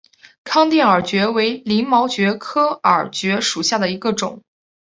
康定耳蕨为鳞毛蕨科耳蕨属下的一个种。